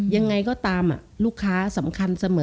ยังไงก็ตามลูกค้าสำคัญเสมอ